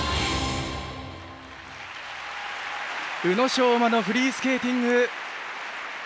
宇野昌磨のフリースケーティング。